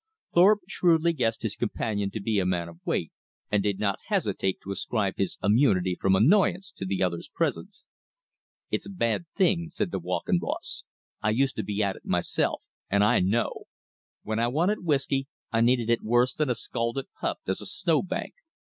Thorpe shrewdly guessed his companion to be a man of weight, and did not hesitate to ascribe his immunity from annoyance to the other's presence. "It's a bad thing," said the walking boss, "I used to be at it myself, and I know. When I wanted whisky, I needed it worse than a scalded pup does a snow bank.